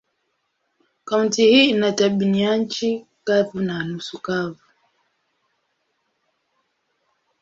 Kaunti hii ina tabianchi kavu na nusu kavu.